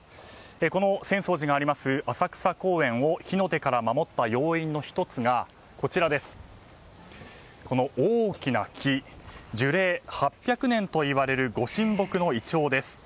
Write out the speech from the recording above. この浅草寺がある浅草公園を火の手から守った要因の１つがこの大きな木、樹齢８００年といわれるご神木のイチョウです。